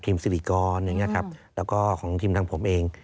สิริกรอย่างนี้ครับแล้วก็ของทีมทางผมเอง